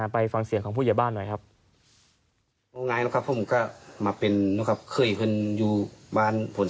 ไปฟังเสียงของผู้ใหญ่บ้านหน่อยครับ